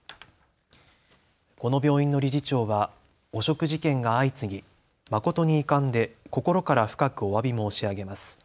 この病院の理事長は汚職事件が相次ぎ誠に遺憾で心から深くおわび申し上げます。